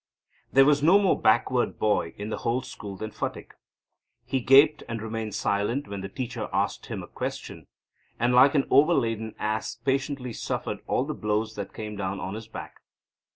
There was no more backward boy in the whole school than Phatik. He gaped and remained silent when the teacher asked him a question, and like an overladen ass patiently suffered all the blows that came down on his back.